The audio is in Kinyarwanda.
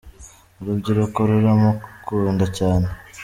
Urubyiruko ruramukunda cyane.